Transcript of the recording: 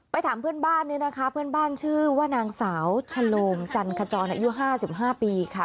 ไปถามเพื่อนบ้านนี่นะคะชื่อว่านางสาวชะโล่มจัณคจอายุ๕๕ปีค่ะ